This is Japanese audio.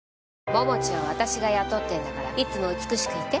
桃地は私が雇ってるんだからいつも美しくいて。